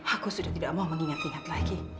aku sudah tidak mau mengingat ingat lagi